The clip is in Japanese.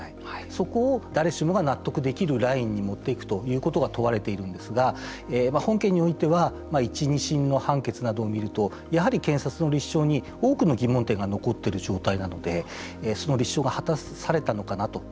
そこを誰しもが納得できるラインに持っていくということが問われているんですが本件においては１、２審の判決などを見るとやはり検察の立証に多くの疑問点が残っている状態なのでその立証が果たされたのかなと。